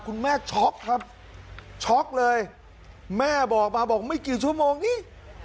ช็อกครับช็อกเลยแม่บอกมาบอกไม่กี่ชั่วโมงนี้